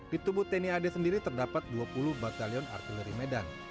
di tubuh tni ad sendiri terdapat dua puluh batalion artileri medan